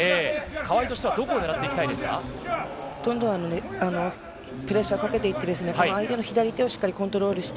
川井としては、どこを狙ってどんどんプレッシャーかけていって、この相手の左手をしっかりコントロールして。